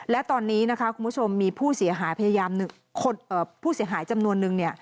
และตอนนี้คุณผู้ชมมีผู้เสียหายจำนวนนึง